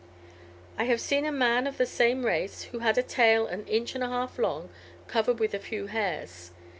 "I have seen a man of the same race, who had a tail an inch and a half long, covered with a few hairs.